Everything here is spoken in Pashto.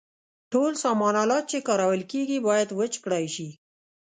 ټول سامان آلات چې کارول کیږي باید وچ کړای شي.